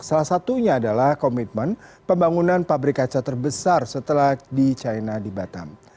salah satunya adalah komitmen pembangunan pabrik kaca terbesar setelah di china di batam